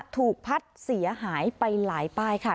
ถูกพัดเสียหายไปหลายป้ายค่ะ